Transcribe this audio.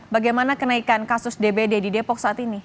bagaimana kenaikan kasus dbd di depok